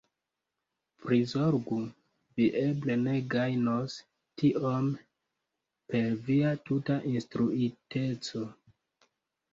Prizorgu! Vi eble ne gajnos tiome per via tuta instruiteco.